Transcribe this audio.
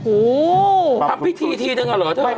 โอ้โฮทำพิธีที่นึงหรือเธอ